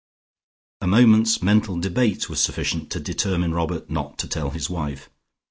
A moment's mental debate was sufficient to determine Robert not to tell his wife.